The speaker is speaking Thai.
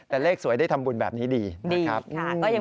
แต่เลขสวยได้ทำบุญแบบนี้ดีนะครับ